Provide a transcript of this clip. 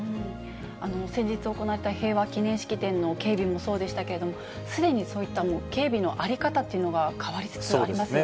先日行われた平和記念式典の警備もそうでしたけれども、すでにそういった警備の在り方っていうのが変わりつつありますよね。